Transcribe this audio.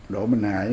đỗ minh hải